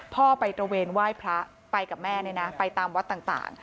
พ่อไปตระเวนไหว้พระไปกับแม่เนี่ยนะไปตามวัดต่าง